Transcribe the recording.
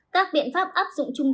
các biện pháp áp dụng trung tâm